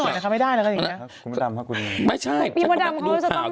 มีพวกดำเขาจะต้องแบบอัปเดต